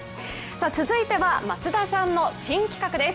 続いては松田さんの新企画です。